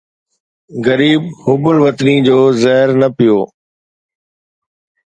غريب حب الوطني جو زهر نه پيئو